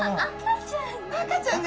赤ちゃんだ。